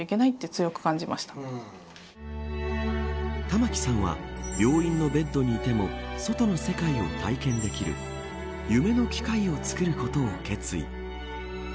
玉城さんは病院のベッドにいても外の世界を体験できる夢の機械を作ることを決意。